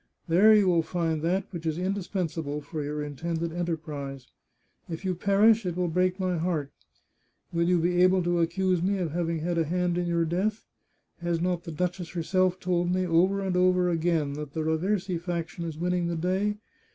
There you will find that which is indispensable for your intended enterprise. If you perish it will break my heart! Will you be able to accuse me of having had a hand in your death ? Has not the duchess herself told me, over and over again, that the Raversi fac tion is winning the day?